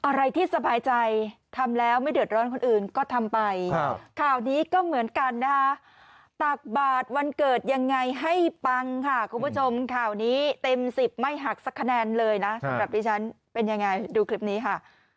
อะไรที่สบายใจทำแล้วไม่เดือดร้อนคนอื่นก็ทำไปข่าวนี้ก็เหมือนกันนะคะตักบาทวันเกิดยังไงให้ปังค่ะคุณผู้ชมข่าวนี้เต็มสิบไม่หักสักคะแนนเลยนะสำหรับดิฉันเป็นยังไงดูคลิปนี้ค่ะ